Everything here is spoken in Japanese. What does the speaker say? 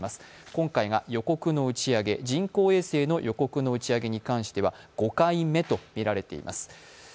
今回が人工衛星の予告の打ち上げに関しては５回目とみられています。